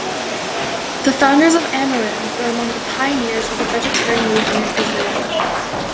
The founders of Amirim were among the pioneers of the vegetarian movement in Israel.